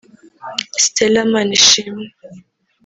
Stella Manishimwe